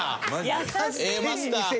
優しい。